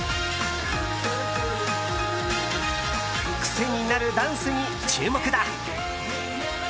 癖になるダンスに注目だ。